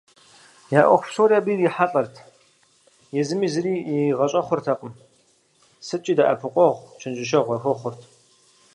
Я ӏуэху псори абы ирахьэлӏэрт, езыми зыри игъэщӏэхъуртэкъым, сыткӏи дэӏэпыкъуэгъу, чэнджэщэгъу яхуэхъурт.